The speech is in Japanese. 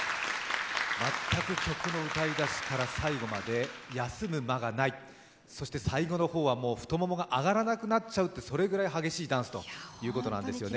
全く曲の歌い出しから最後まで休む間がない、そして最後の方は太ももが上がらなくなっちゃうという、それくらい激しいダンスということなんですよね。